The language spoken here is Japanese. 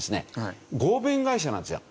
合弁会社なんですよ。